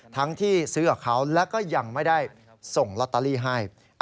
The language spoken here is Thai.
ทั้งที่ซื้อกับเขาแล้วก็ยังไม่ได้ส่งลอตเตอรี่ให้